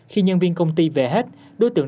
khi nhân viên công ty về hết đối tượng